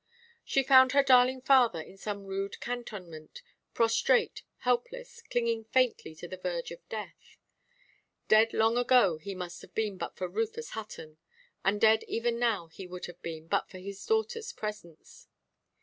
She found her darling father in some rude cantonment, prostrate, helpless, clinging faintly to the verge of death. Dead long ago he must have been but for Rufus Hutton; and dead even now he would have been but for his daughterʼs presence.